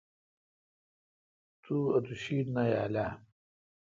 تو اوتو شیت نہ یال اؘ۔